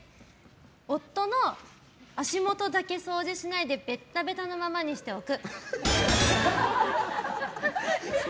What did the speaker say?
夫の足元だけ掃除しないでベタベタなままにしておく。